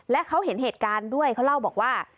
และเขาเห็นเหตุการณ์ด้วยเขาเล่าบอกว่า